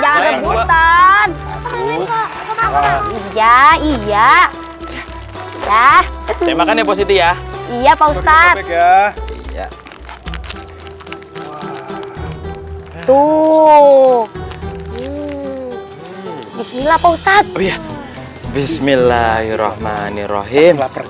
saya makan ya positi ya iya pak ustadz ya tuh bismillah pak ustadz bismillahirrohmanirrohim